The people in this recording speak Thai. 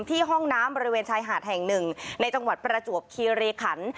ที่ห้องน้ำบริเวณชายหาดแห่ง๑ในจังหวัดประจวบคีเรศร